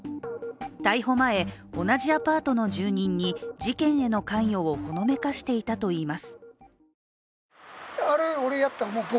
逮捕前、同じアパートの住人に事件への関与をほのめかしていたといいます。